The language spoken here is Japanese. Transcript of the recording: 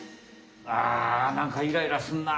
あなんかイライラすんな！